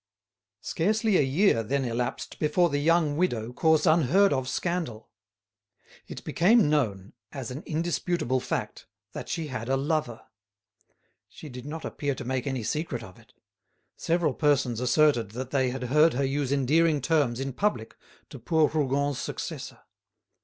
Scarcely a year then elapsed before the young widow caused unheard of scandal. It became known, as an indisputable fact, that she had a lover. She did not appear to make any secret of it; several persons asserted that they had heard her use endearing terms in public to poor Rougon's successor.